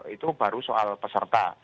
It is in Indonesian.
itu baru soal peserta